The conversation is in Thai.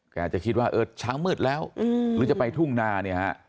แกอาจจะคิดว่าช้าเมืดแล้วหรือจะไปทุ่งนาเนี่ยเหรอคะ